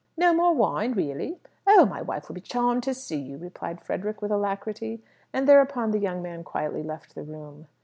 "No more wine, really? Oh, my wife will be charmed to see you," replied Frederick, with alacrity. And, thereupon, the young man quietly left the room.